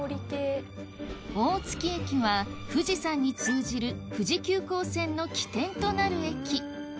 大月駅は富士山に通じる富士急行線の起点となる駅